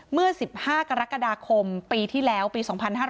เมื่อ๑๕กรกฎาคมปีที่แล้วปี๒๕๕๙